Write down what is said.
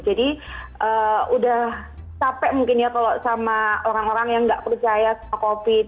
jadi sudah capek mungkin ya kalau sama orang orang yang tidak percaya sama covid